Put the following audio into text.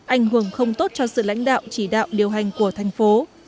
ảnh hưởng không tốt cho sự lãnh đạo chỉ đạo điều hành của thành phố